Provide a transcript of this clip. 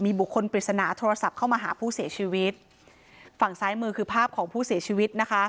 บุคคลปริศนาโทรศัพท์เข้ามาหาผู้เสียชีวิตฝั่งซ้ายมือคือภาพของผู้เสียชีวิตนะคะ